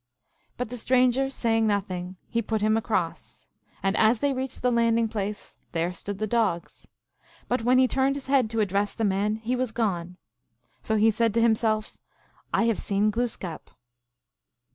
But the stranger saying nothing, he put him across. And as they reached the landing place there stood the dogs. But when he turned his head to address the man, he was gone. So he said to himself, " I have seen Glooskap."